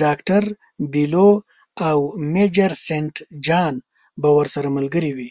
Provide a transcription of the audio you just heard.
ډاکټر بیلیو او میجر سینټ جان به ورسره ملګري وي.